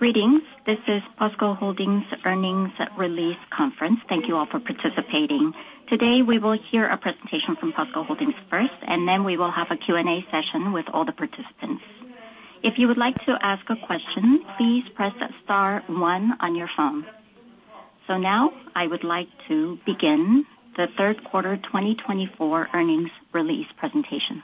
Greetings. This is POSCO Holdings Earnings Release Conference. Thank you all for participating. Today we will hear a presentation from POSCO Holdings first and then we will have a Q and A session with all the participants. If you would like to ask a question please press Star one on your phone. So now I would like to begin the third quarter 2024 earnings release presentation.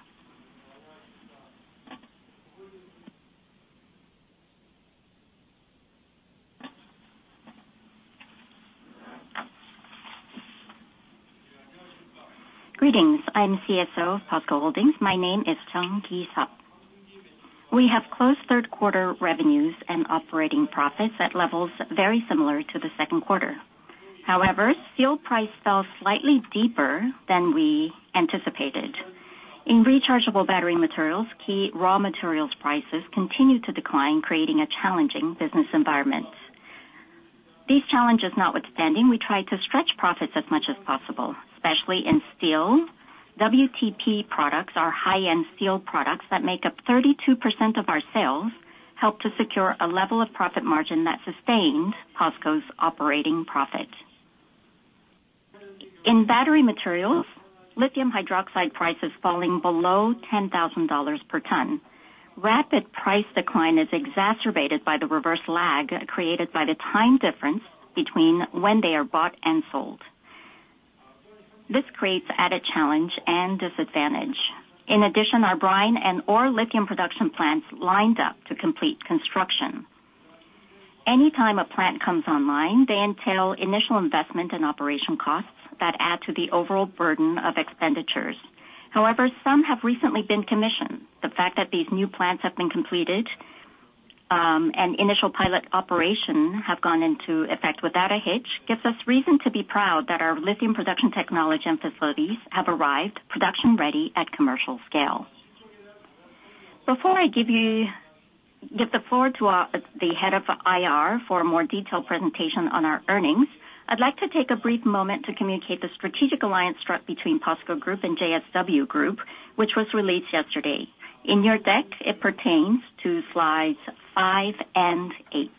Greetings. I'm CSO of POSCO Holdings. My name is Jeong Ki-seop. We have closed third quarter revenues and operating profits at levels very similar to the second quarter. However, steel price fell slightly deeper than we anticipated in rechargeable battery materials. Key raw materials prices continue to decline, creating a challenging business environment. These challenges notwithstanding, we try to stretch profits as much as possible, especially in steel WTP products. Our high end steel products that make up 32% of our sales help to secure a level of profit margin that sustained POSCO's operating profit in battery materials. Lithium hydroxide price is falling below $10,000 per ton. Rapid price decline is exacerbated by the reverse lag created by the time difference between when they are bought and sold. This creates added challenge and disadvantage. In addition, our brine and ore lithium production plants lined up to complete construction. Anytime a plant comes online, they entail initial investment and operation costs that add to the overall burden of expenditures. However, some have recently been commissioned. The fact that these new plants have been completed and initial pilot operations have gone into effect without a hitch gives us reason to be proud that our lithium production technology and facilities have arrived production ready at commercial scale. Before I give the floor to the head of IR for a more detailed presentation on our earnings, I'd like to take a brief moment to communicate the strategic alliance struck between POSCO Group and JSW Group, which was released yesterday in your deck. It pertains to slides 5 and 8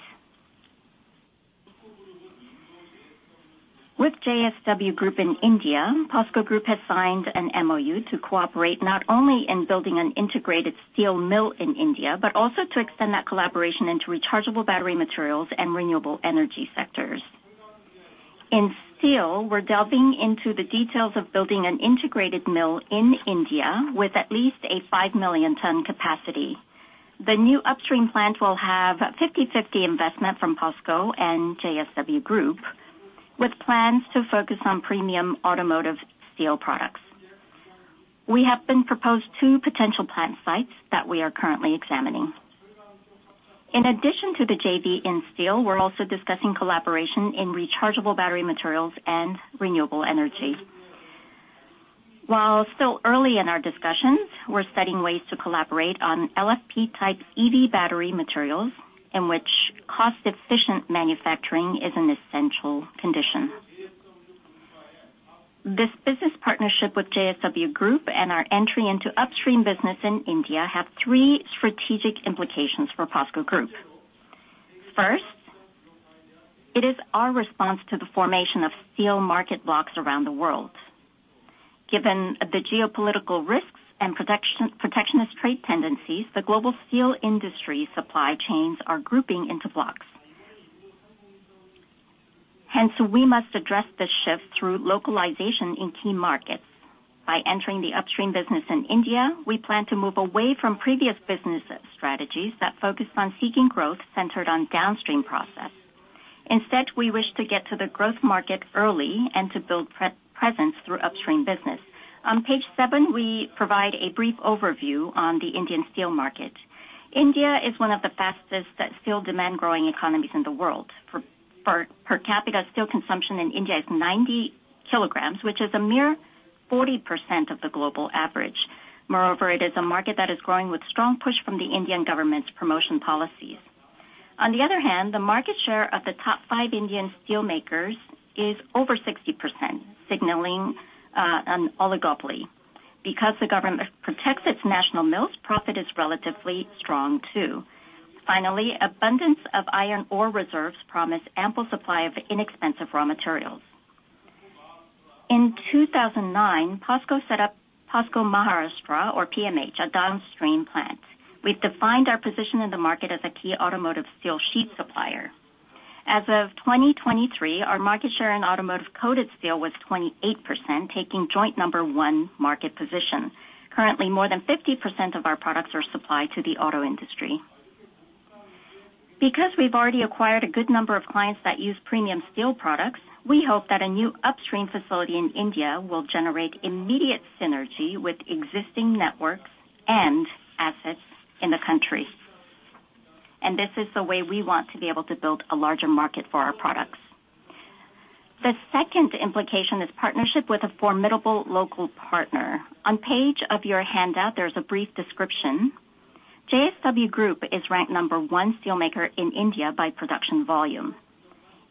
with JSW Group in India. POSCO Group has signed an MOU to cooperate not only in building an integrated steel mill in India, but also to extend that collaboration into rechargeable battery materials and renewable energy sectors. In steel, we're delving into the details of building an integrated mill in India with at least a five million-ton capacity. The new upstream plant will have 50-50 investment from POSCO and JSW Group with plans to focus on premium automotive steel products. We have been proposed two potential plant sites that we are currently examining. In addition to the JV in steel, we're also discussing collaboration in rechargeable battery materials and renewable energy. While still early in our discussions, we're studying ways to collaborate on LFP type EV battery materials in which cost efficient manufacturing is an essential condition. This business partnership with JSW Group and our entry into upstream business in India have three strategic implications for POSCO Group. First, it is our response to the formation of steel market blocks around the world. Given the geopolitical risks and protectionist trade tendencies, the global steel industry supply chains are grouping into blocks. Hence, we must address this shift through localization in key markets. By entering the upstream business in India, we plan to move away from previous business strategies that focused on seeking growth centered on downstream process. Instead, we wish to get to the growth market early and to build presence through upstream business. On page seven, we provide a brief overview on the Indian steel market. India is one of the fastest steel demand growing economies in the world. Per capita steel consumption in India is 90 kg, which is a mere 40% of the global average. Moreover, it is a market that is growing with strong push from the Indian government's promotion policies. On the other hand, the market share of the top five Indian steel makers is over 60%, signaling an oligopoly. Because the government protects its national mills, profit is relatively strong too. Finally, abundance of iron ore reserves promise ample supply of inexpensive raw materials. In 2009, POSCO set up POSCO Maharashtra or PMH, a downstream plant. We've defined our position in the market as a key automotive steel sheet supplier. As of 2023, our market share in automotive coated steel was 28%, taking joint number one market position. Currently, more than 50% of our products are supplied to the auto industry. Because we've already acquired a good number of clients that use premium steel products. We hope that a new upstream facility in India will generate immediate synergy with existing networks and assets in the country, and this is the way we want to be able to build a larger market for our products. The second implication is partnership with a formidable local partner. On page of your handout, there's a brief description. JSW Group is ranked number one steelmaker in India by production volume.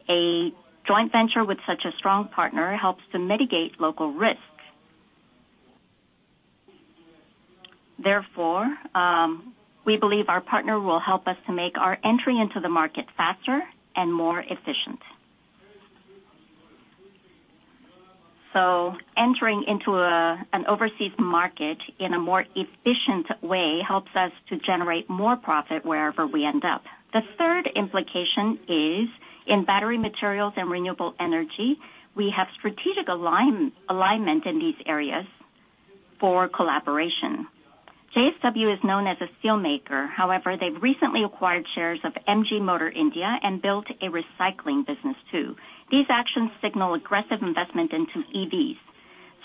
A joint venture with such a strong partner helps to mitigate local risk. Therefore, we believe our partner will help us to make our entry into the market faster and more efficient. Entering into an overseas market in a more efficient way helps us to generate more profit wherever we end up. The third implication is in battery materials and renewable energy. We have strategic alignment in these areas for collaboration. JSW is known as a steel maker. However, they've recently acquired shares of MG Motor India and built a recycling business too. These actions signal aggressive investment into EVs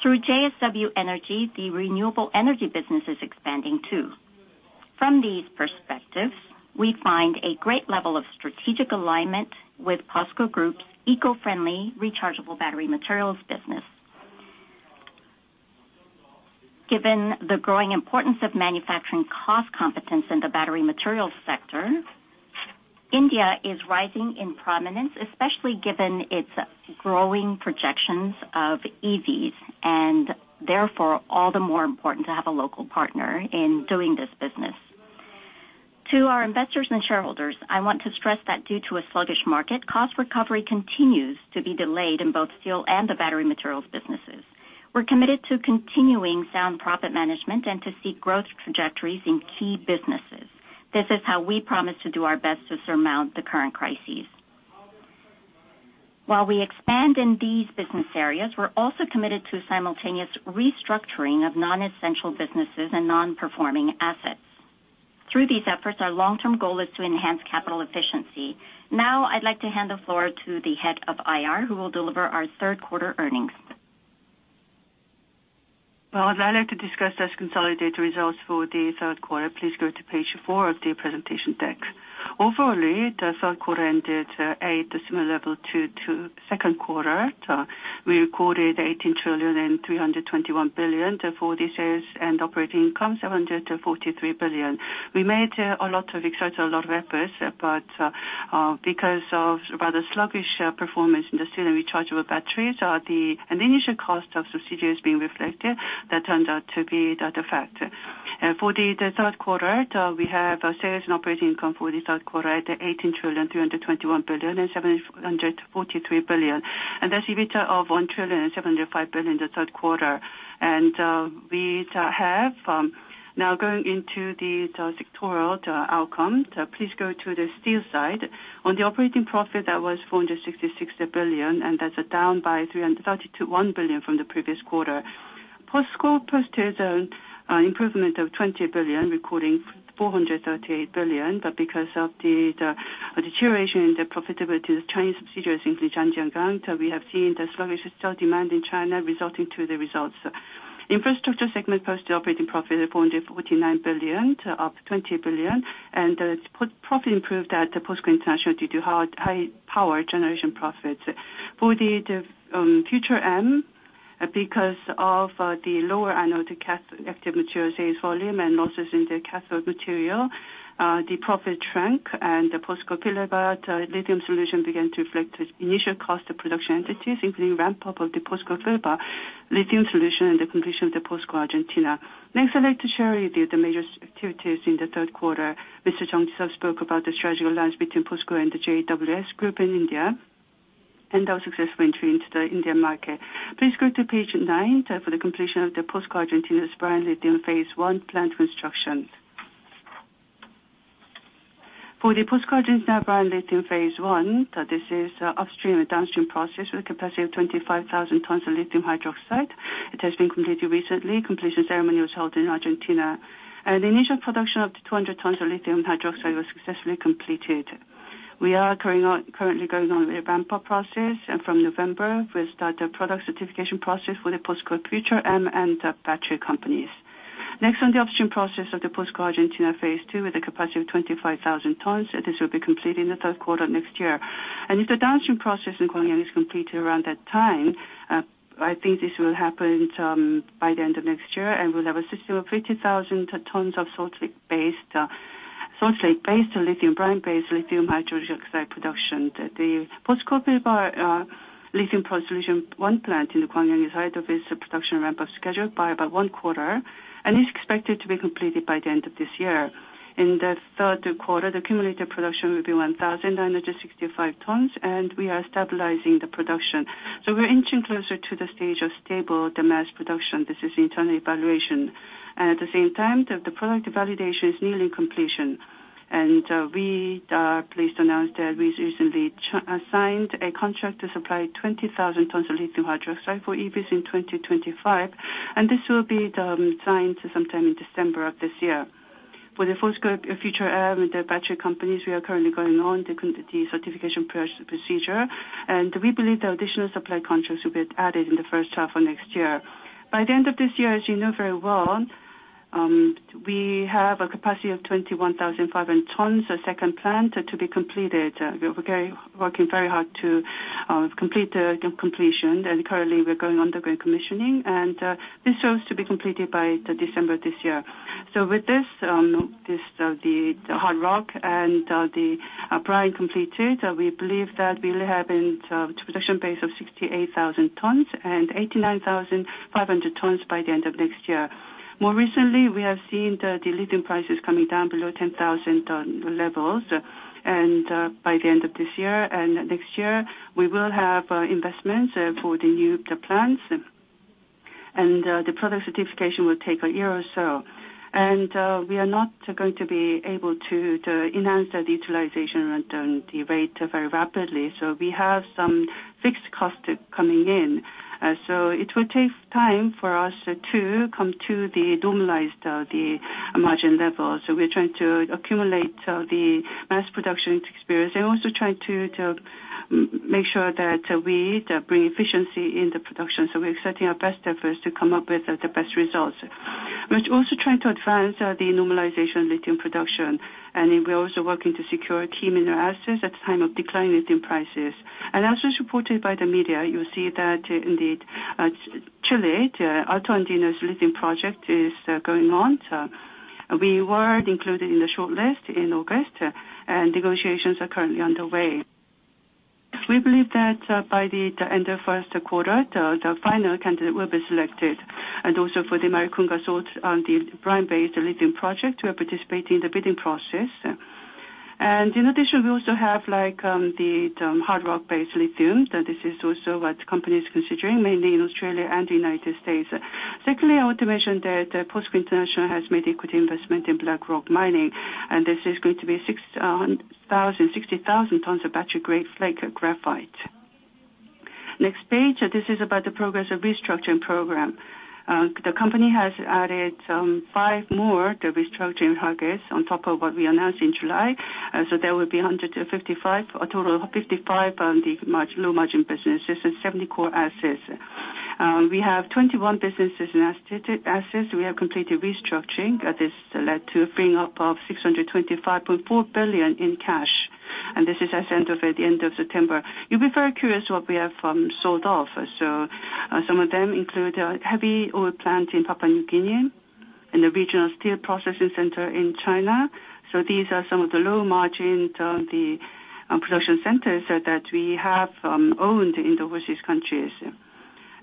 through JSW Energy. The renewable energy business is expanding too. From these perspectives we find a great level of strategic alignment with POSCO Group's eco-friendly rechargeable battery materials business. Given the growing importance of manufacturing cost competence in the battery materials sector, India is rising in prominence, especially given its growing projections of EVs and therefore all the more important to have a local partner in doing this business. To our investors and shareholders, I want to stress that due to a sluggish market, cost recovery continues to be delayed in both steel and the battery materials businesses. We're committed to continuing sound profit management and to seek growth trajectories in key businesses. This is how we promise to do our best to surmount the current crises. While we expand in these business areas, we're also committed to simultaneous restructuring of nonessential businesses and nonperforming assets. Through these efforts, our long-term goal is to enhance capital efficiency. Now I'd like to hand the floor to the head of IR who will deliver our third quarter earnings. I'd like to discuss those consolidated results for the third quarter. Please go to page 4 of the presentation deck. Overall the third quarter ended at a similar level to second quarter. We recorded 18,321,000,000,000 for this year's sales and operating income 743,000,000,000. We made a lot of investments, a lot of efforts but because of rather sluggish performance in industrial rechargeable batteries and the initial cost of subsidiaries being reflected. That turns out to be the factor for the third quarter. We have sales and operating income for the third quarter at 18,321,000,000,000 and 743,000,000,000, and that's EBITDA of 1,000,000,000,000 in the third quarter and we have now going into the sectoral outcome. Please go to the steel side. On the operating profit that was 466 billion and that's down by 331 billion from the previous quarter. POSCO Steel posted an improvement of 20 billion, recording 438 billion, but because of the deterioration in the profitability of Chinese subsidiaries in Zhangjiagang, we have seen the sluggish steel demand in China resulting in the results. Infrastructure segment posted operating profit of 449 billion, an improvement of 20 billion, and profit improved at POSCO International due to high power generation profits. For POSCO Future M, because of the lower anode active material sales volume and losses in the cathode material, the profit shrank, and the POSCO Pilbara Lithium Solution began to reflect initial costs of production, including ramp-up of the POSCO Pilbara Lithium Solution and the completion of the POSCO Argentina. Next, I'd like to share with you the major activities in the third quarter. Mr. Jeong Ki-seop spoke about the strategic alliance between POSCO and the JSW Group in India and our successful entry into the Indian market. Please go to page 9 for the completion of the POSCO Argentina Brine Lithium Phase 1 plant construction for the POSCO Argentina Brine Lithium Phase 1. This is upstream downstream process with a capacity of 25,000 tons of lithium hydroxide. It has been completed recently. Completion ceremony was held in Argentina. The initial production of the 200 tons of lithium hydroxide was successfully completed. We are currently going on with a ramp up process and from November we start the product certification process for the POSCO Future M and battery companies. Next on the upstream process of the POSCO Argentina Phase 2 with a capacity of 25,000 tons. This will be completed in the third quarter next year and if the downstream process in Gwangyang is completed around that time, I think this will happen by the end of next year and we'll have a system of 50,000 tons of salt-based salt lake-based lithium brine-based lithium hydroxide production. The POSCO Pilbara Lithium Solution 1 Plant in Gwangyang is ahead of its production ramp up schedule by about 1/4 and is expected to be completed by the end of this year. In the third quarter the cumulative production will be 1,965 tons and we are stabilizing the production so we're inching closer to the stage of stable mass production. This is internal evaluation. At the same time the product validation is nearly completion and we are pleased to announce that we recently signed a contract to supply 20,000 tons of lithium hydroxide for EVs in 2025 and this will be signed sometime in December of this year. For the POSCO future M battery companies. We are currently going on the certification procedure and we believe the additional supply contracts will be added in the first half of next year. By the end of this year as you know very well, we have a capacity of 21,500 tons a second plant to be completed. We are working very hard to complete the completion and currently we're going underground commissioning and this shows to be completed by December this year. So, with this, the hard rock and the brine completed, we believe that we have a production base of 68,000 tonnes and 89,500 tonnes by the end of next year. More recently, we have seen the lithium prices coming down below $10,000 levels, and by the end of this year and next year we will have investments for the new plants and the product certification will take a year or so, and we are not going to be able to enhance the utilization and the rate very rapidly. So we have some fixed cost coming in. So it will take time for us to come to the normalized margin level. So we're trying to accumulate the mass production experience and also trying to make sure that we bring efficiency in the production. We're setting our best efforts to come up with the best results, which also trying to advance the normalization lithium production. We're also working to secure key mineral assets at the time of declining lithium prices. As was reported by the media, you'll see that indeed the Altoandinos lithium project is going on. We were included in the shortlist in August, and negotiations are currently underway. We believe that by the end of first quarter the final candidate will be selected. For the Maricunga salt, the brine-based lithium project, we are participating in the bidding process. In addition, we also have like the hard rock-based lithium. This is also what companies are considering mainly in Australia and the United States. Secondly, I want to mention that POSCO International has made equity investment in Black Rock Mining and this is going to be 60,000 tonnes of battery grade flake graphite. Next page. This is about the progress of restructuring program. The company has added five more restructuring targets on top of what we announced in July. So there will be 15, a total of 85 the low margin businesses and 70 core assets. We have 21 businesses and assets we have completed restructuring. This led to a freeing up of 625.4 billion in cash. And this is as of the end of September. You'll be very curious what we have sold off. So some of them include heavy oil plant in Papua New Guinea and the regional steel processing center in China. So these are some of the low margin the production centers that we have owned in overseas countries.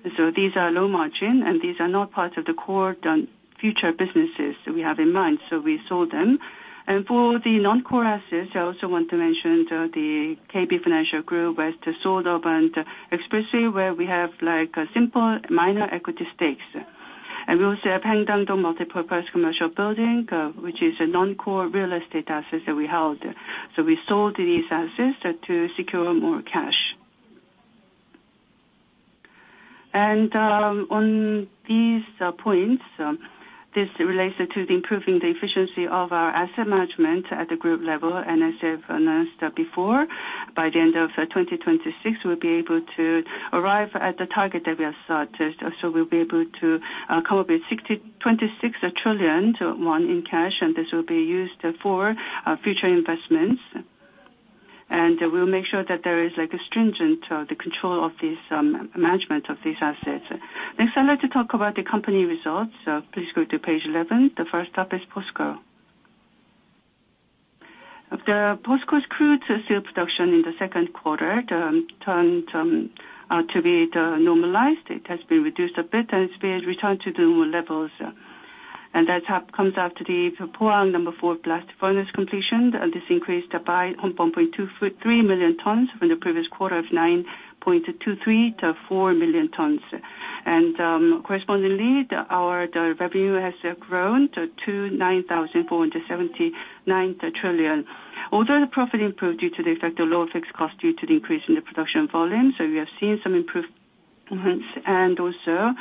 These are low margin and these are not part of the core future businesses we have in mind. So we sold them. For the non-core assets I also want to mention the KB Financial Group investment where we have like a simple minor equity stake. We also have multi-purpose commercial building which is a non-core real estate asset that we held. So we sold these assets to secure more cash. On these points this relates to improving the efficiency of our asset management at the group level. As I've announced before, by the end of 2026 we'll be able to arrive at the target that we are starting. So we'll be able to come up with 26 trillion in cash. This will be used for future investments. And we'll make sure that there is like a stringent control of the management of these assets. Next, I'd like to talk about the company results. Please go to page 11. The first up is POSCO, the POSCO Steel. Production in the second quarter turned to be normalized. It has been reduced a bit and it's been returned to normal levels. And that comes after the number four blast furnace completion. This increased by 1.23 million tons from the previous quarter of 9.234 million tons. And correspondingly our revenue has grown to 9.479 trillion KRW. Although the profit improved due to the effect of lower fixed cost due to the increase in the production volume. So we have seen some improvements. And also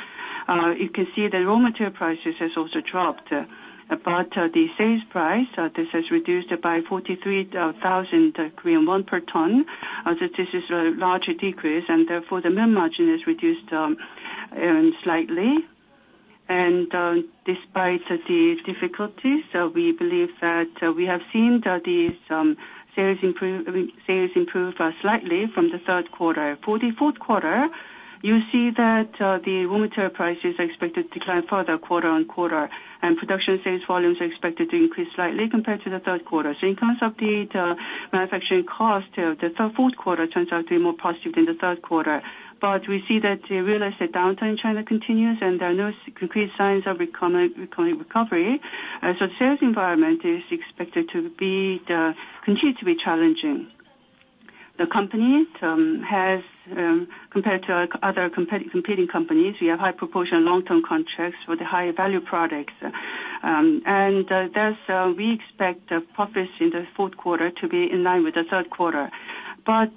you can see the raw material prices has also dropped. But the sales price this has reduced by 43,000 Korean won per ton. This is a larger decrease and therefore the gross margin is reduced slightly. Despite the difficulties, we believe that we have seen these sales improved slightly from the third quarter. For the fourth quarter you see that the raw material prices are expected to decline further quarter on quarter and production sales volumes are expected to increase slightly compared to the third quarter. In terms of the manufacturing cost, the fourth quarter turns out to be more positive than the third quarter. We see that real estate downturn in China continues and there are no concrete signs of reconnecting recovery. The sales environment is expected to continue to be challenging. The company has compared to other competing companies. We have high proportion long term contracts for the higher value products and therefore we expect profits in the fourth quarter to be in line with the third quarter. But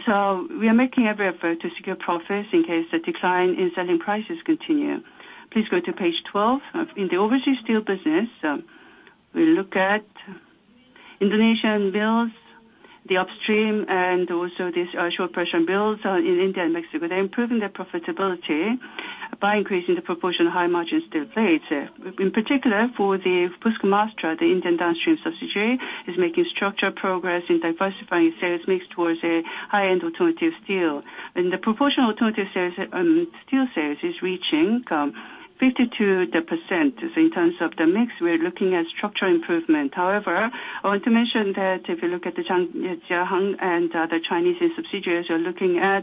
we are making every effort to secure profits in case the decline in selling prices continue. Please go to page 12. In the overseas steel business, we look at Indonesian mills, the upstream and also downstream processing mills in India and Mexico. They're improving their profitability by increasing the proportion of high margin steel plates. In particular for the POSCO Maharashtra, the Indian downstream subsidiary is making structural progress in diversifying sales mix towards a high end of the automotive steel and the proportion of automotive steel sales is reaching 52%. In terms of the mix, we're looking at structural improvement. However, I want to mention that if you look at the, and the Chinese subsidiaries are looking at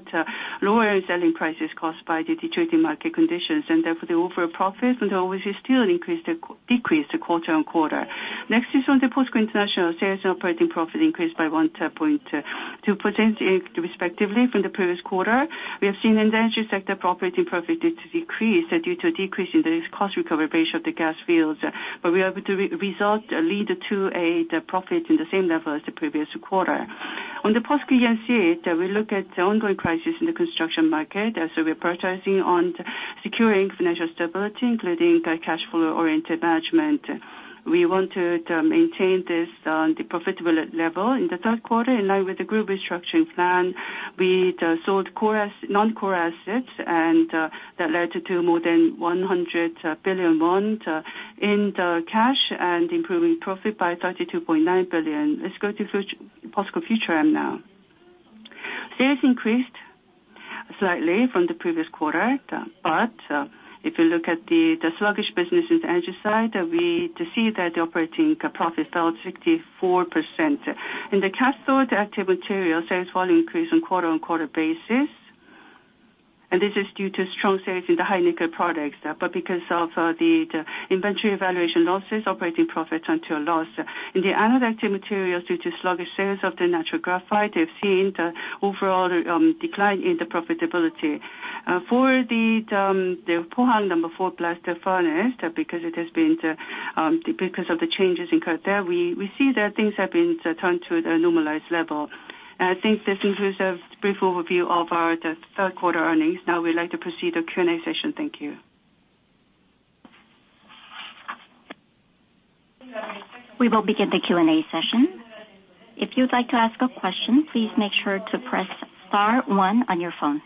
lowering selling prices caused by the deteriorating market conditions, and therefore the overall profit and overseas steel decreased quarter-on-quarter. Next is on the POSCO International. Sales and operating profit increased by 1.2% respectively from the previous quarter. We have seen in the energy sector profit decrease due to a decrease in the cost recovery ratio of the gas fields. But we are able to as a result lead to a profit in the same level as the previous quarter. On the POSCO E&C, we look at the ongoing crisis in the construction market. So we're prioritizing on securing financial stability including cash flow oriented management. We wanted to maintain the profitable level. In the third quarter in line with the group restructuring plan, we sold non-core assets and that led to more than 100 billion won in cash and improving profit by 32.9 billion. Let's go to POSCO Future M now. Sales increased slightly from the previous quarter. But if you look at the sluggish business in the energy side, we see that the operating profit fell 64% in the cathode active material sales volume increase on quarter-on-quarter basis. And this is due to strong sales in the high-nickel products. But because of the inventory valuation losses, operating profit turned to loss in the anode active materials due to sluggish sales of the natural graphite. They've seen the overall decline in the profitability for the Pohang Number four blast furnace because it has been. Because of the changes incurred there, we see that things have been turned to the normalized level. I think this includes a brief overview of our third quarter earnings. Now we'd like to proceed the Q&A session. Thank you. We will begin the Q&A session. If you'd like to ask a question, please make sure to press star one on your phone.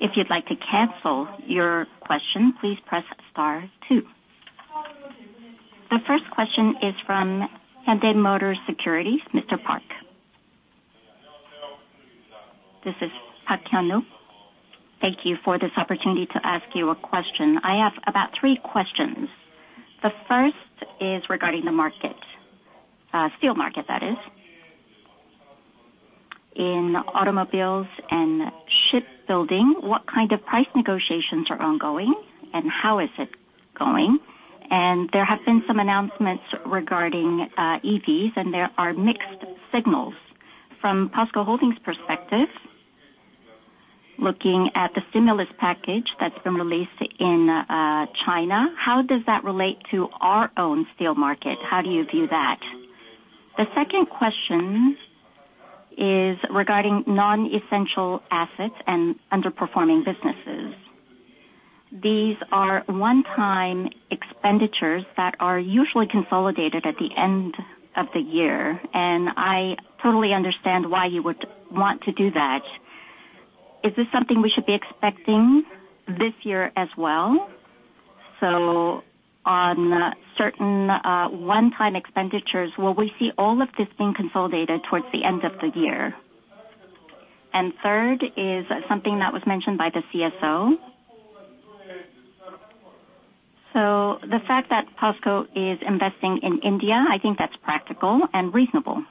If you'd like to cancel your question, please press star two. The first question is from Hyundai Motor Securities. Mr. Park. This is Park Hyun-woo. Thank you for this opportunity to ask you a question. I have about three questions. The first is regarding the steel market that is in automobiles and shipbuilding. What kind of price negotiations are ongoing and how is it going? And there have been some announcements regarding EVs and there are mixed signals from POSCO Holdings' perspective. Looking at the stimulus package that's been released in China, how does that relate to our own steel market? How do you view that? The second question is regarding non-essential assets and underperforming businesses. These are one-time expenditures that are usually consolidated at the end of the year, and I totally understand why you would want to do that. Is this something we should be expecting this year as well? On certain one-time expenditures, will we see all of this being consolidated towards the end of the year? Third is something that was mentioned by the CSO. The fact that POSCO is investing in India, I think that's practical and reasonable.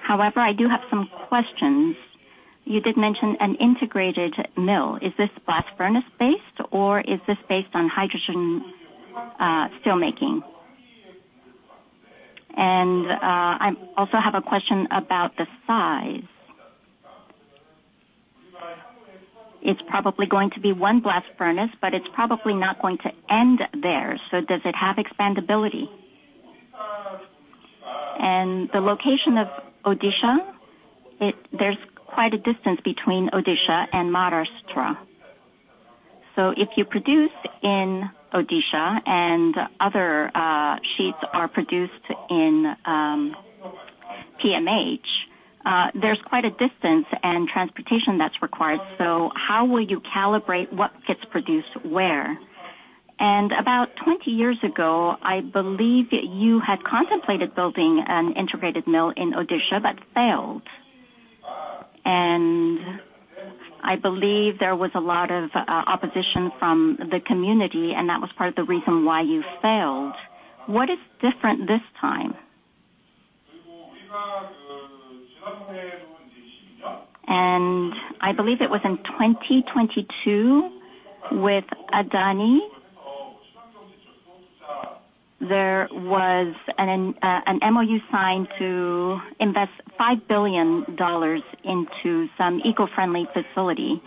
However, I do have some questions. You did mention an integrated mill. Is this blast furnace based or is this based on hydrogen steelmaking? I also have a question about the size. It's probably going to be one blast furnace, but it's probably not going to end. Does it have expandability? The location of Odisha? There's quite a distance between Odisha and Maharashtra. So if you produce in Odisha and other sheets are produced in PMH, there's quite a distance and transportation that's required. So how will you calibrate what gets produced where? And about 20 years ago, I believe you had contemplated building an integrated mill in Odisha but failed. And I believe there was a lot of opposition from the community and that was part of the reason why you failed. What is different this time? And I believe it was in 2022 with Adani, there was an MOU signed to invest $5 billion into some eco-friendly facility.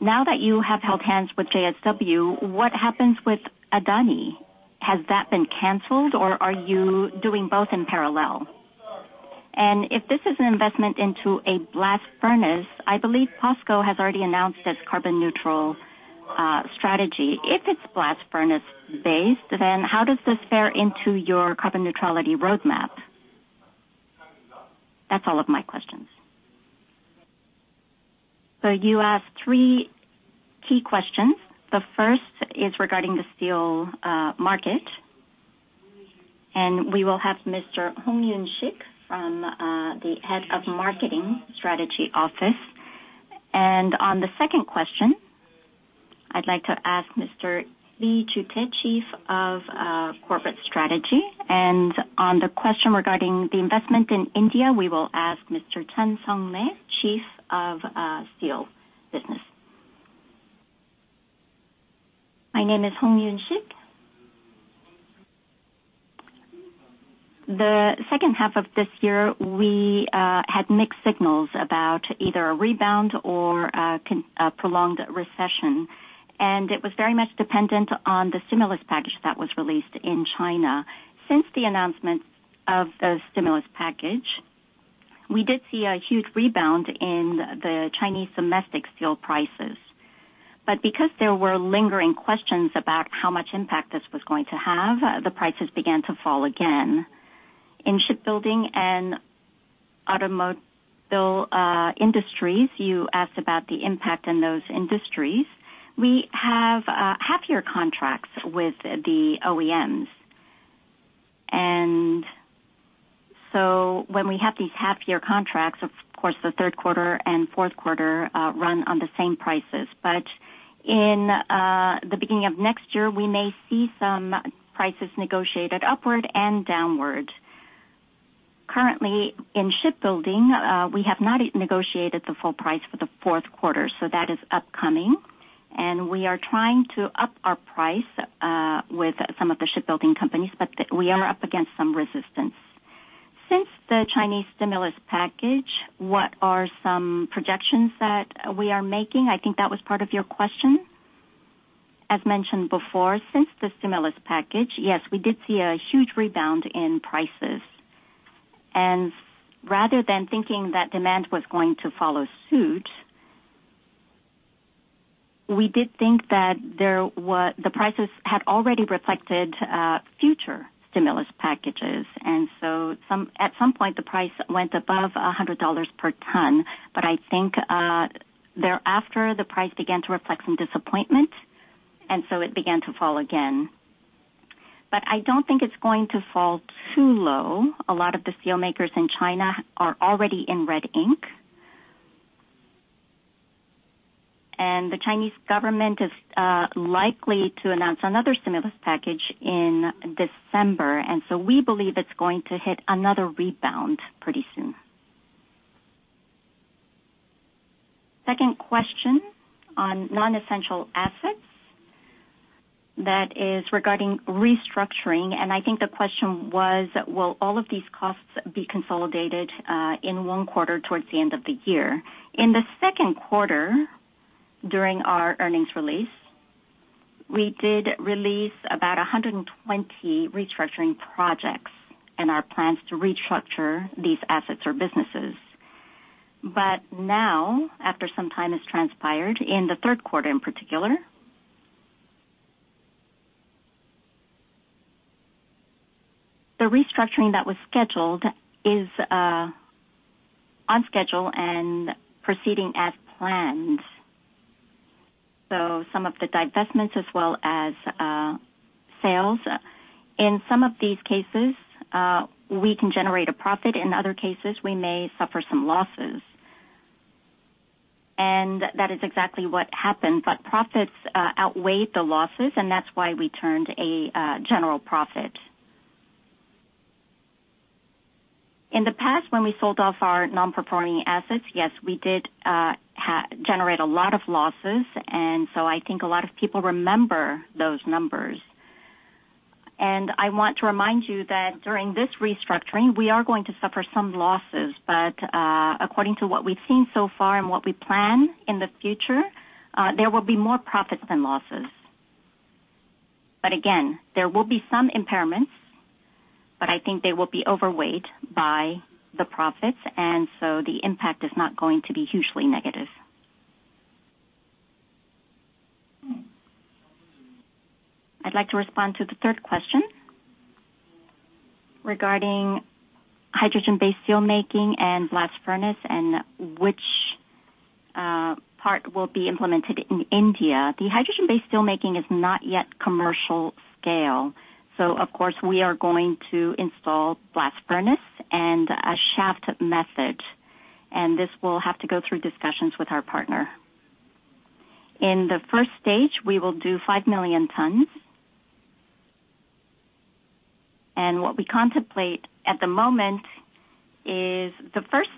Now that you have held hands with JSW, what happens with Adani? Has that been cancelled? Or are you doing both in parallel? And if this is an investment into a blast furnace, I believe POSCO has already announced its carbon-neutral strategy. If it's blast furnace based, then how does this fare into your carbon neutrality roadmap? That's all of my questions, so you asked three key questions. The first is regarding the steel market, and we will have Mr. Hong Yoon-sik from the Head of Marketing Strategy Office, and on the second question, I'd like to ask Mr. Lee Joo-tae, Chief of Corporate Strategy, and on the question regarding the investment in India, we will ask Mr. Chan Song Lee Cheon-seok But because there were lingering questions about how much impact this was going to have, the prices began to fall again. In shipbuilding and automobile industries. You asked about the impact in those industries. We have half year contracts with the OEMs. And so when we have these half year contracts, of course the third quarter and fourth quarter run on the same prices. But in the beginning of next year, we may see some prices negotiated upward and downward. Currently in shipbuilding, we have not negotiated the full price for the fourth quarter. So that is upcoming and we are trying to up our price with some of the shipbuilding companies, but we are up against some resistance. Since the Chinese stimulus package, what are some projections that we are making? I think that was part of your question. As mentioned before, since the stimulus package, yes, we did see a huge rebound in prices, and rather than thinking that demand was going to follow suit, we did think that there were the prices had already reflected future stimulus packages. And so at some point the price went above $100 per ton, but I think thereafter the price began to reflect some disappointment, and so it began to fall again. I don't think it's going to fall too low. A lot of the steelmakers in China are already in red ink, and the Chinese government is likely to announce another stimulus package in this, and so we believe it's going to hit another rebound pretty soon. Second question on non-essential assets, that is regarding restructuring, and I think the question was will all of these costs be consolidated in one quarter towards the end of the year? In the second quarter during our earnings release, we did release about 120 restructuring projects and our plans to restructure these assets or businesses, but now after some time has transpired in the third quarter in particular, the restructuring that was scheduled is on schedule and proceeding as planned, so some of the divestments as well as sales, in some of these cases we can generate a profit. In other cases we may suffer some losses, and that is exactly what happened, but profits outweigh the losses and that's why we turned a general profit in the past when we sold off our nonperforming assets. Yes, we did generate a lot of losses, and so I think a lot of people remember those numbers, and I want to remind you that during this restructuring we are going to suffer some losses. But according to what we've seen so far and what we plan in the future, there will be more profits than losses. But again there will be some impairments, but I think they will be outweighed by the profits. And so the impact is not going to be hugely negative. I'd like to respond to the third question regarding hydrogen-based steelmaking and blast furnace and which part will be implemented in India. The hydrogen-based steelmaking is not yet commercial. So of course we are going to install blast furnace and a shaft method and this will have to go through discussions with our partner. In the first stage we will do 5 million tons. And what we contemplate at the moment is the first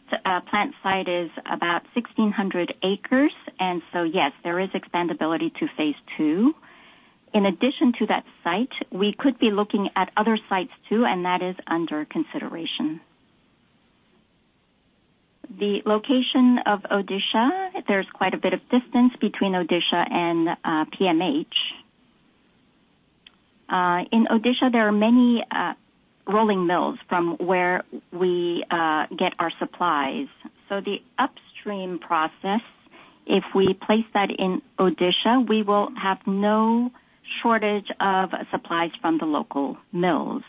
plant site is about 1,600 acres. And so, yes, there is expandability to phase two. In addition to that site, we could be looking at other sites too, and that is under consideration. The location of Odisha. There's quite a bit of distance between Odisha and PMH. In Odisha, there are many rolling mills from where we get our supplies. So the upstream process, if we place that in Odisha, we will have no shortage of supplies from the local mills,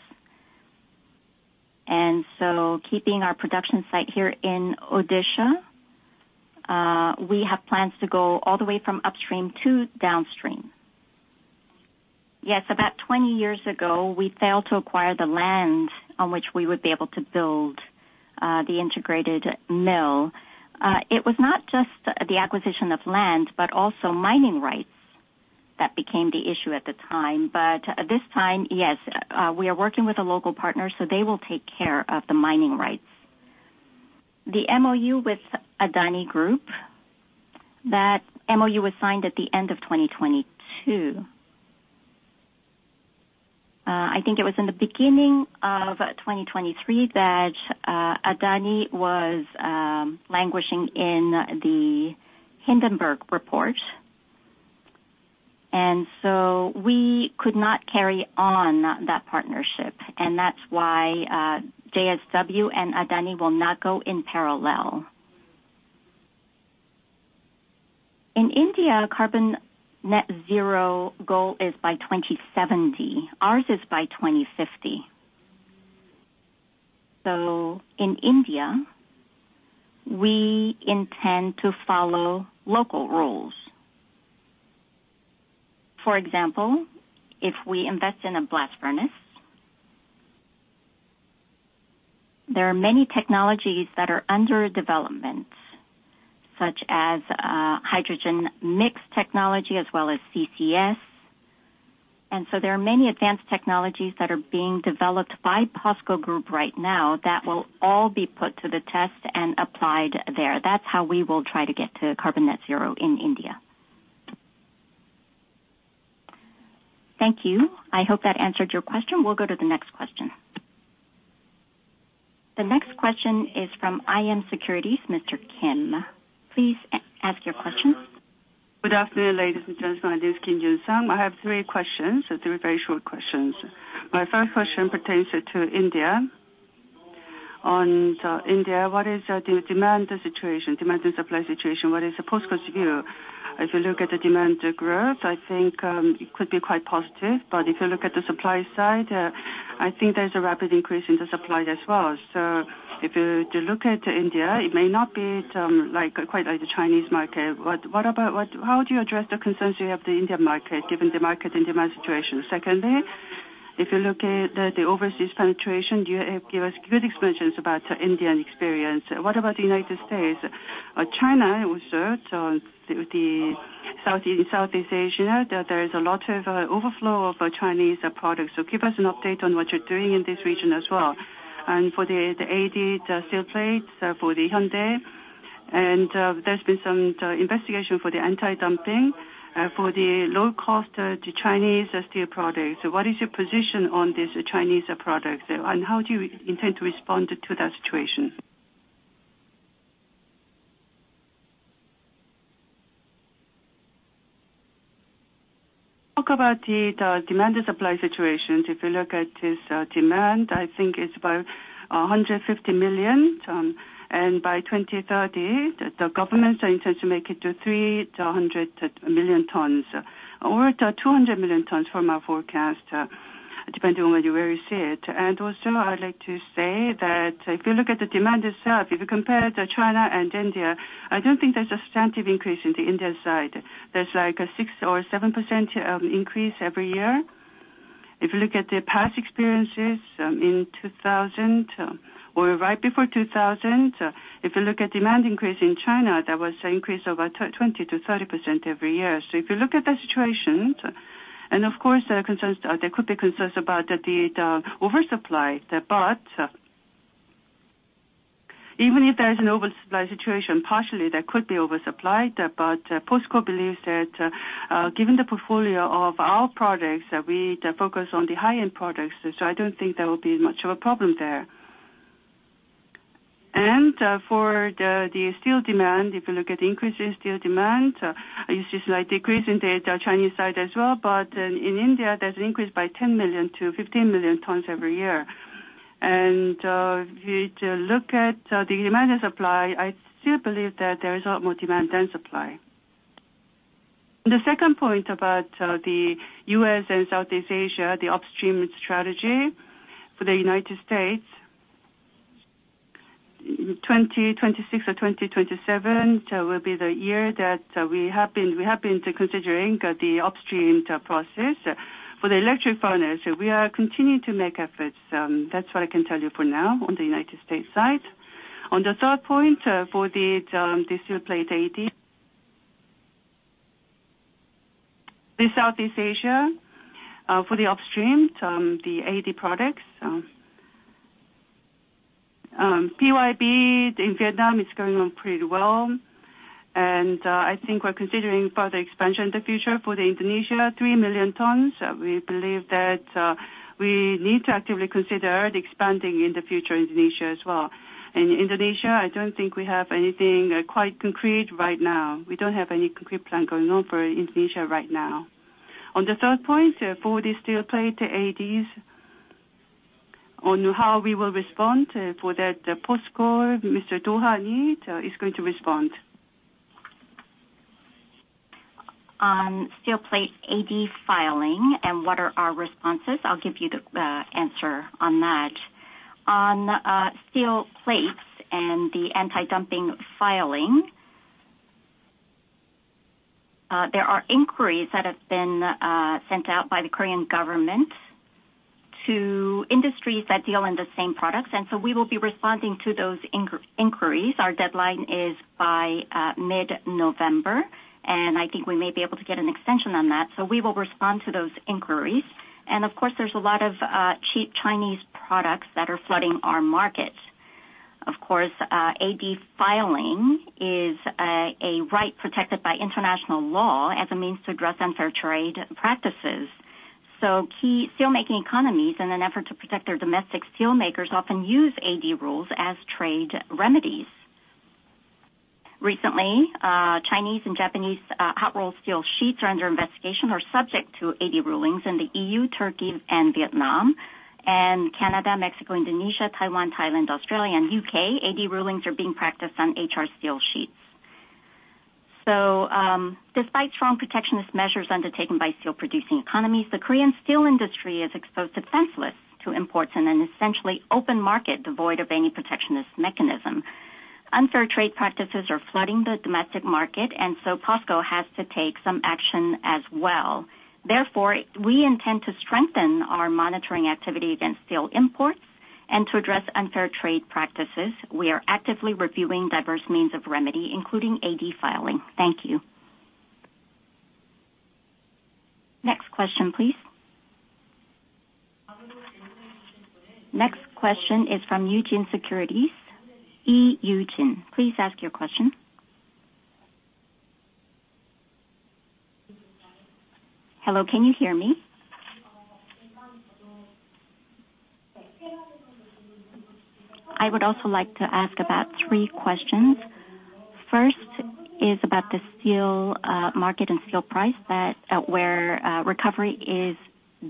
and so keeping our production site here in Odisha, we have plans to go all the way from upstream to downstream. Yes, about 20 years ago, we failed to acquire the land on which we would be able to build the integrated mill. It was not just the acquisition of land, but also mining rights that became the issue at the time, but this time, yes, we are working with a local partner, so they will take care of the mining rights. The MOU with Adani Group, that MOU was signed at the end of 2022. I think it was in the beginning of 2023 that Adani was languishing in the Hindenburg report, and so we could not carry on that partnership, and that's why JSW and Adani will not go in parallel. In India, carbon net zero goal is by 2070. Ours is by 2050, so in India, we intend to follow local rules. For example, if we invest in a blast furnace, there are many technologies that are under development, such as hydrogen mix technology as well as ccs, and so there are many advanced technologies that are being developed by POSCO Group right now that will all be put to the test and applied there. That's how we will try to get to carbon net zero in India. Thank you. I hope that answered your question. We'll go to the next question. The next question is from iM Securities. Mr. Kim, please ask your question. Good afternoon, ladies and gentlemen. My name is Kim Yoon-sang. I have three questions, three very short questions. My first question pertains to India. On India, what is demand situation, demand and supply situation? What is POSCO's view? If you look at the demand growth, I think it could be quite positive. But if you look at the supply side, I think there's a rapid increase in the supply as well. So if you look at India, it may not be like quite like the Chinese market. But what about. How do you address the concerns you have the Indian market, given the market and demand situation? Secondly, if you look at the overseas penetration, do you give us good explanations about Indian experience? What about the United States? China was on the south, Southeast Asia. There is a lot of overflow of Chinese products. Give us an update on what you're doing in this region as well. For the 88 steel plates for the Hyundai and there's been some investigation for the anti-dumping for the low-cost Chinese steel products. What is your position on this Chinese products and how do you intend to respond to that situation? Talk about the demand and supply situation. If you look at this demand, I think it's about 150 million and by 2030 the government intends to make it to 300 million tons or 200 million tons for my forecast depending on where you see. Also, I'd like to say that if you look at the demand itself, if you compare to China and India, I don't think there's a substantive increase. In the India side there's like a 6% or 7% increase every year. If you look at the past experiences in 2000 or right before 2000, if you look at demand increase in China, there was an increase of 20%-30% every year. So if you look at the situation and of course there could be concerns about the oversupply but even if there is an oversupply situation, partially there could be oversupplied. But POSCO believes that given the portfolio of our products, we focus on the high end products. So I don't think there will be much of a problem there. And for the steel demand, if you look at increase in steel demand you see slight decrease in the Chinese side as well. But in India there's an increase by 10-15 million tonnes every year. And if you look at the demand and supply, I still believe that there is a lot more demand than supply. The second point about the U.S. and Southeast Asia, the upstream strategy for the United States 2026 or 2027 will be the year that we have been considering the upstream process for the electric furnace. We are continuing to make efforts. That's what I can tell you for now. On the United States side on the third point for the steel plate AD the Southeast Asia for the upstream the AD products PY Vina in Vietnam is going on pretty well and I think we're considering further expansion in the future. For the Indonesia three million tons. We believe that we need to actively consider the expanding in the future Indonesia as well. In Indonesia I don't think we have anything quite concrete right now. We don't have any concrete plan going on for Indonesia right now. On the third point for the steel plate ADs on how we will respond for that POSCO, Mr. Do Han-ui is going to respond. On steel plate AD filing and what are our responses? I'll give you the answer on that. On steel plates and the anti-dumping filing, there are inquiries that have been sent out by the Korean government to industries that deal in the same products. And so we will be responding to those inquiries. Our deadline is by mid November and I think we may be able to get an extension on that. So we will respond to those inquiries. And of course there's a lot of cheap Chinese products that are flooding our market. Of course, AD filing is a right protected by international law as a means to address unfair trade practices. So key steelmaking economies in an effort to protect their domestic steelmakers often use AD rules as trade remedies. Recently, Chinese and Japanese hot rolled steel sheets are under investigation and are subject to 80 rulings in the EU, Turkey and Vietnam and Canada, Mexico, Indonesia, Taiwan, Thailand, Australia and UK. AD rulings are being practiced on HR steel sheets. So despite strong protectionist measures undertaken by steel producing economies, the Korean steel industry is exposed, senseless, to imports in an essentially open market devoid of any protectionist mechanism. Unfair trade practices are flooding the domestic market and so POSCO has to take some action as well. Therefore, we intend to strengthen our monitoring activity against steel imports and to address unfair trade practices. We are actively reviewing diverse means of remedy including AD filing. Thank you. Next question please. Next question is from Eugene Securities. Lee Yu-jin, please ask your question. Hello, can you hear me? I would also like to ask about three questions. First is about the steel market and steel price where recovery is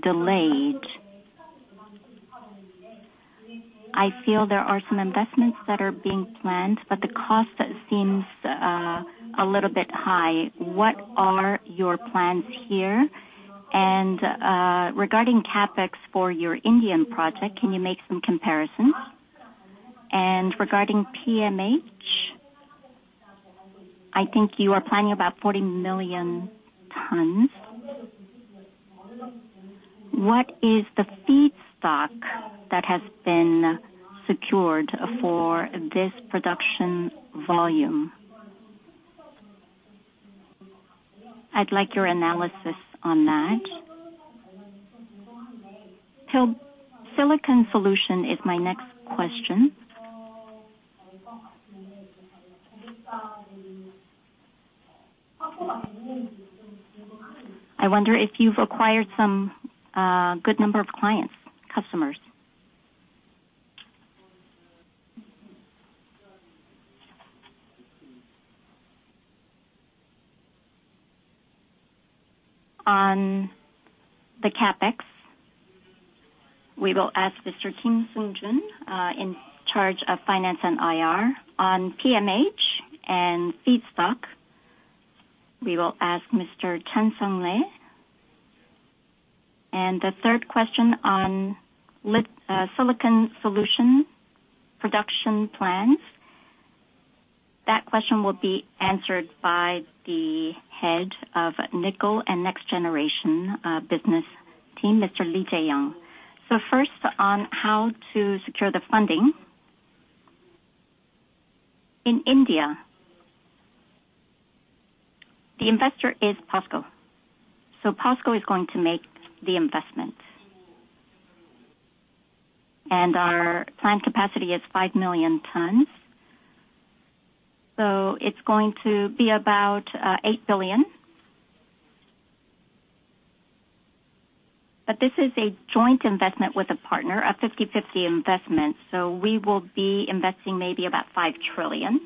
delayed. I feel there are some investments that are being planned but the cost seems a little bit high. What are your plans here? And regarding CapEx for your Indian project, can you make some comparisons? And regarding PMH, I think you are planning about 40 million tons. What is the feedstock that has been secured for this production volume? I'd like your analysis on that. Silicon Solution is my next question. I wonder if you've acquired some good number of clients customers. On the CapEx, we will ask Mr. Kim Seung-jun in charge of finance and IR. On PMH and feedstock, we will ask Mr. Cha Lee Cheon-seok First on how to secure the funding in India, the investor is POSCO. POSCO is going to make the investment. Our plant capacity is five million tons. It's going to be about 8 billion. But this is a joint investment with a partner, a 50:50 investment. We will be investing maybe about 5 trillion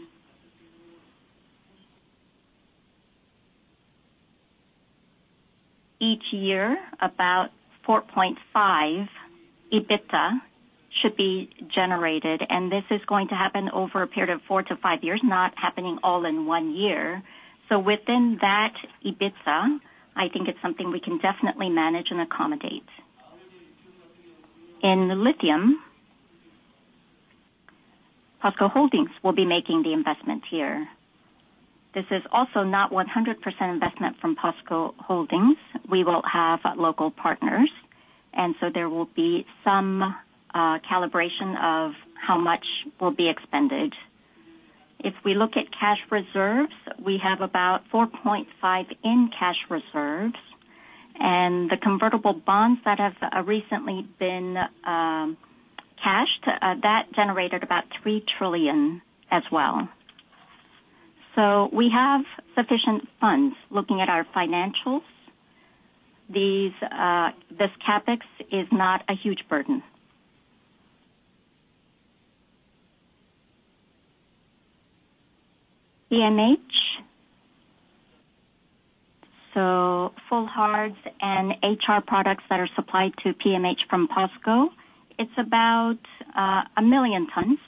each year. About 4.5 billion EBITDA should be generated and this is going to happen over a period of four to five years. Not happening all in one year. Within that EBITDA I think it's something we can definitely manage and accommodate. In lithium, POSCO Holdings will be making the investment here. This is also not 100% investment from POSCO Holdings. We will have local partners and so there will be some calibration of how much will be expended. If we look at cash reserves, we have about 4.5 trillion in cash reserves and the convertible bonds that have recently been cashed that generated about 3 trillion as well, so we have sufficient funds. Looking at our financials, this CapEx is not a huge burden. PMH, so full hards and HR products that are supplied to PMH from POSCO, it's about a million tons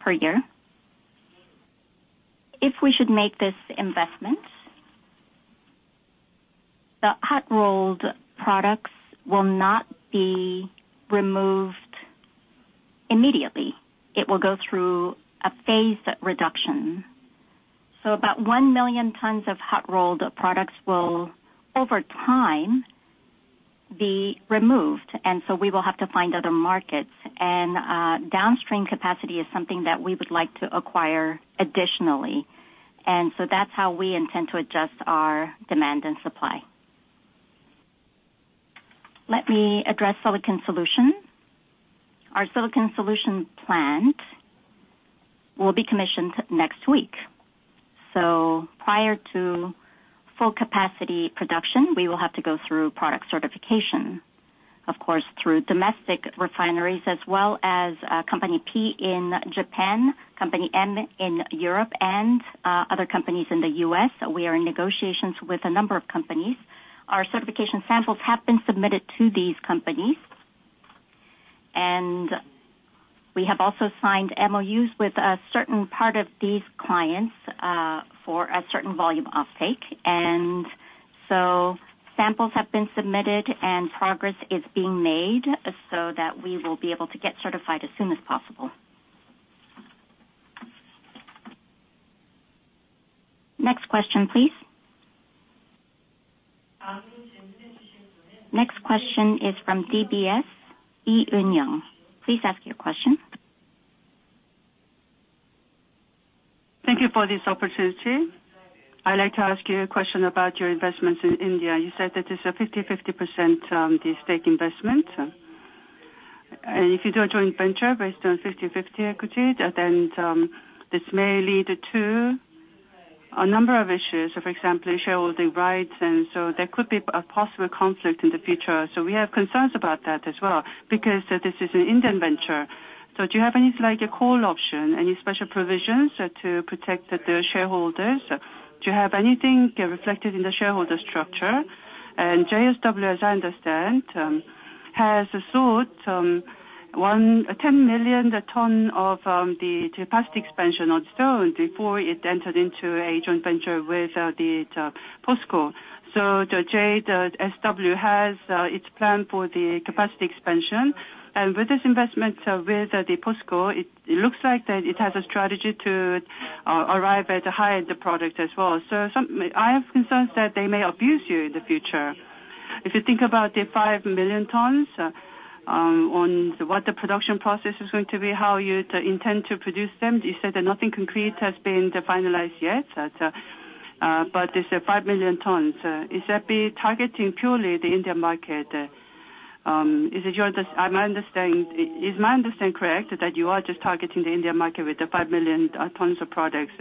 per year. If we should make this investment, the hot rolled products will not be removed immediately. It will go through a phase reduction, so about one million tons of hot rolled products will over time be removed, and so we will have to find other markets and downstream capacity is something that we would like to acquire additionally, and so that's how we intend to adjust our demand and supply. Let me address silicon solution. Our silicon solution plant will be commissioned next week. So prior to full capacity production we will have to go through product certification. Of course, through domestic refineries as well as Company P in Japan, Company M in Europe and other companies in the U.S., we are in negotiations with a number of companies. Our certification samples have been submitted to these companies and we have also signed MOUs with a certain part of these clients for a certain volume offtake. And so samples have been submitted and progress is being made so that we will be able to get certified as soon as possible. Next question please. Next question is from DBS. Lee Eun-young, please ask your question. Thank you for this opportunity. I'd like to ask you a question about your investments in India. You said that it's a 50-50% stake investment and if you do a joint venture based on 50-50 equities then this may lead to a number of issues. For example shareholder rights and so there could be a possible conflict in the future. So we have concerns about that as well because this is an Indian venture. So do you have any like a call option, any special provisions to protect their shareholders to have anything reflected in the shareholder structure? And JSW as I understand has sought 110 million ton of the capacity expansion on its own before it entered into a joint venture with the POSCO. So the JSW has its plan for the capacity expansion and with this investment with the POSCO it. It looks like that it has a strategy to arrive at a high-end product as well. I have concerns that they may abuse you in the future. If you think about the five million tonnes, on what the production process is going to be, how you intend to produce them. You said that nothing concrete has been finalized yet. This five million tonnes, is that be targeting purely the Indian market? Is it your understanding, is my understanding correct that you are just targeting the Indian market with the five million tonnes of products?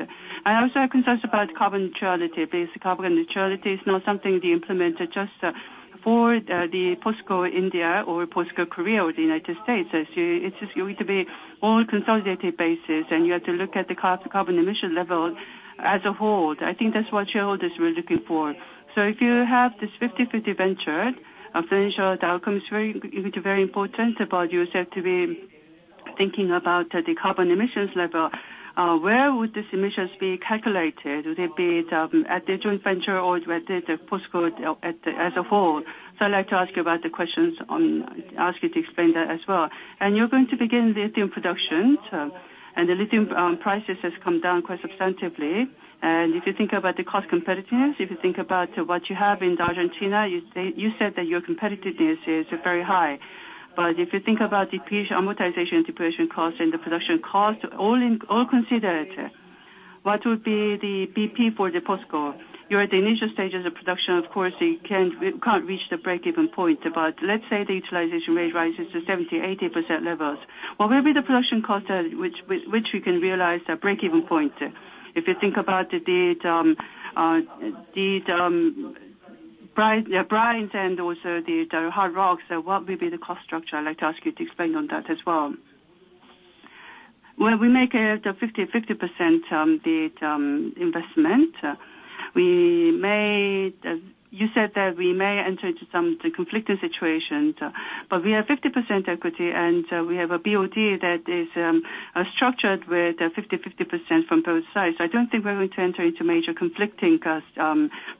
I also have concerns about carbon neutrality. Basically carbon neutrality is not something to implement just for the POSCO India or POSCO Korea or the United States. It is just going to be all consolidated basis. You have to look at the carbon emission level as a whole. I think that's what shareholders were looking for. So if you have this 50-50 venture financial outcome is very important about yourself to be thinking about the carbon emissions level. Where would this emissions be calculated? Would it be at the joint venture or at POSCO as a whole? So I'd like to ask you about the questions, ask you to explain that as well. And you're going to begin lithium production and the lithium price has come down quite substantively. And if you think about the cost competitiveness, if you think about what you have in Argentina, you said that your competitiveness is very high. But if you think about the amortization, depletion cost and the production cost, all considered, what would be the BP for POSCO? You're at the initial stages of production, of course you can't reach the break even point. But let's say the utilization rate rises to 70%-80%, what will be the production cost which we can realize a break-even point. If you think about these brines and also the hard rocks, what will be the cost structure? I'd like to ask you to explain on that as well. When we make it a 50-50% investment, we may, you said that we may enter into some conflicting situations, but we have 50% equity and we have a board that is structured with 50-50% from both sides. I don't think we're going to enter into major conflicting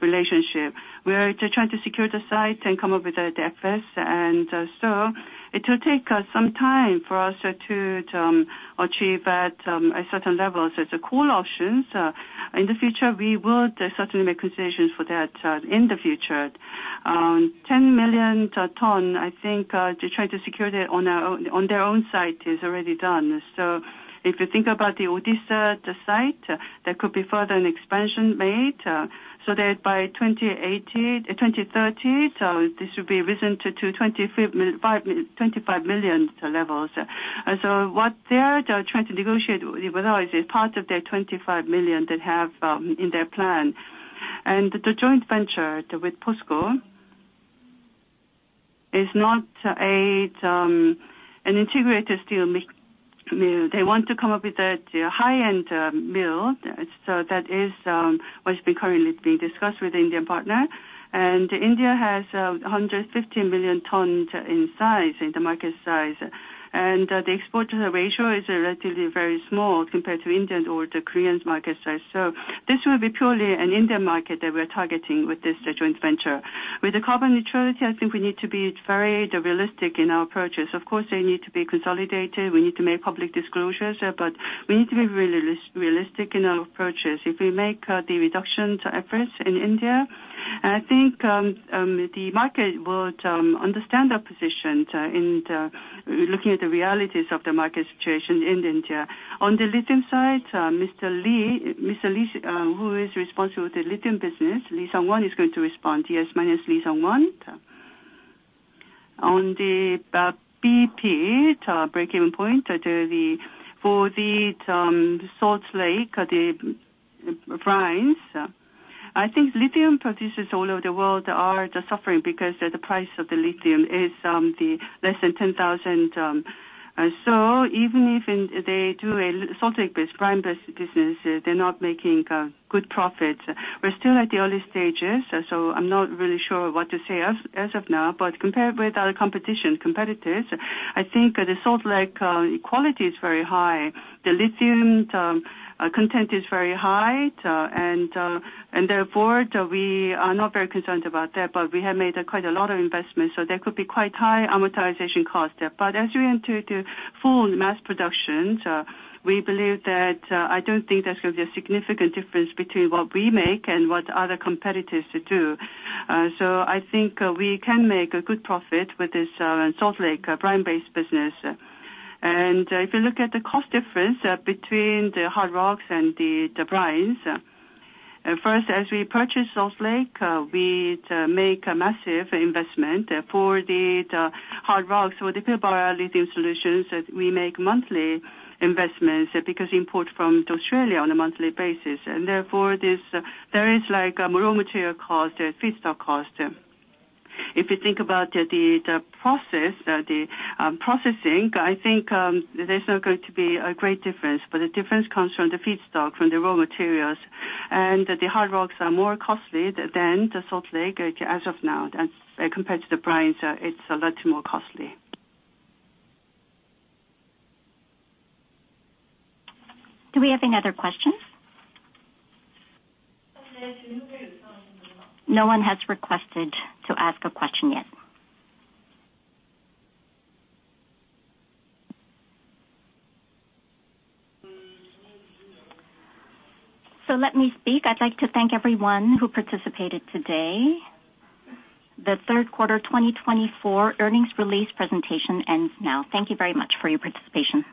relationship. We are trying to secure the site and come up with. And so it will take some time for us to achieve at a certain level as a call options in the future. We would certainly make compensations for that in the future. 10 million tons I think to try to secure it on their own site is already done. So if you think about the Odisha site, there could be further an expansion made so that by 2028, 2030, so this would be risen to 25 million levels. So what they're trying to negotiate with is part of their 25 million that have in their plan. And the joint venture with POSCO is not an integrated steel mill. They want to come up with a high-end mill. So that is what's been currently being discussed with Indian partner. And India has 150 million tons in size in the market size and the export ratio is 10% relatively very small compared to Indian or the Korean market size. So this will be purely an Indian market that we are targeting with this joint venture, with the carbon neutrality, I think we need to be very realistic in our approaches. Of course they need to be consolidated, we need to make public disclosures, but we need to be realistic in our approaches. If we make the reduction efforts in India, I think the market would understand that position in looking at the realities of the market situation in India. On the lithium side, Mr. Lee, Mr. Lee, who is responsible for the lithium business, Lee Sang-won is going to respond. Yes, this is Lee Sang-won. On the BP break-even point for the salt lake, frankly, I think lithium producers all over the world are suffering because the price of the lithium is less than $10,000. So even if they do a salt lake based brine based business, they're not making good profits. We're still at the early stages so I'm not really sure what to say as of now. But compared with our competition competitors, I think the salt lake quality is very high, the lithium content is very high and, and therefore we are not very concerned about that. But we have made quite a lot of investments so there could be quite high amortization cost. But as we entered to full mass production we believe that I don't think there's going to be a significant difference between what we make and what other competitors do. So I think we can make a good profit with this salt lake brine based business. If you look at the cost difference between the hard rocks and the brines, first as we purchase salt lake, we make a massive investment. For the hard rocks or the Pilbara lithium solutions, we make monthly investments because import from Australia on a monthly basis and therefore there is like raw material cost, feedstock cost. If you think about the process, the processing, I think there's not going to be a great difference. But the difference comes from the feedstock, from the raw materials. And the hard rocks are more costly than the salt lake as of now, compared to the brine. So it's a lot more costly. Do we have any other questions? No one has requested to ask a question yet, so let me speak. I'd like to thank everyone who participated today. The third quarter 2024 earnings release presentation ends now. Thank you very much for your participation.